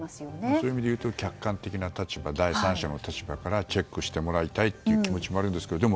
そういう意味でいうと客観的な立場、第三者の立場からチェックしてもらいたいという気持ちもあるんですがで